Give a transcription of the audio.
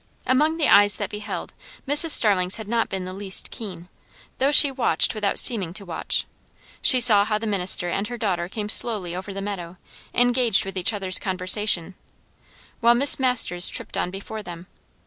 Among the eyes that beheld, Mrs. Starling's had not been the least keen, though she watched without seeming to watch. She saw how the minister and her daughter came slowly over the meadow, engaged with each other's conversation, while Miss Masters tripped on before them.